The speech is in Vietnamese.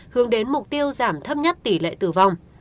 hướng đến mục tiêu giảm thấp nhất tỷ lệ tử vong